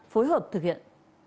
phối hợp thực hiện